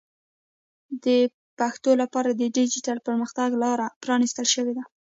د پښتو لپاره د ډیجیټل پرمختګ لاره پرانیستل شوې ده.